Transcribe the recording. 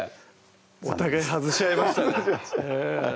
お互い外し合いましたね